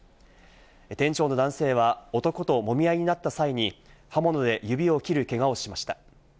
店長の男性は男ともみ合いになった際に刃物で指を切るけがをしました。